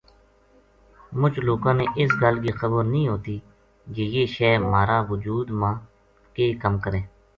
مُچ لوکاں نا اس گل کی خبر نیہہ ہوتی جے یہ شے مھارا وُجود ما کے کَم کرے